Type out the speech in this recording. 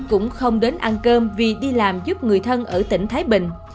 cũng không đến ăn cơm vì đi làm giúp người thân ở tỉnh thái bình